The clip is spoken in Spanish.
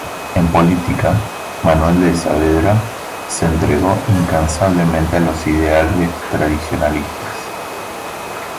En política, Manuel de Saavedra se entregó incansablemente a los ideales tradicionalistas.